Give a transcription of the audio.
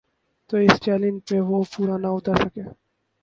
تو اس چیلنج پہ وہ پورا نہ اتر سکے۔